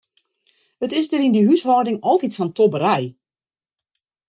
It is dêr yn dy húshâlding altyd sa'n tobberij.